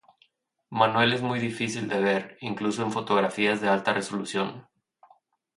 Manuel es muy difícil de ver, incluso en fotografías de alta resolución.